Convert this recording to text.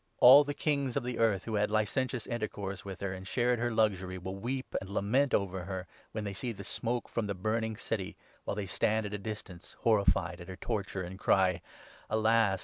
All the kings of the earth who had licentious intercourse 9 with her and shared her luxury will weep and lament over her, when they see the smoke from the burning city, while they 10 stand at a distance, horrified at her torture, and cry —' Alas